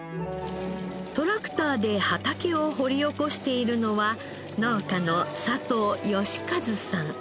トラクターで畑を掘り起こしているのは農家の佐藤嘉一さん。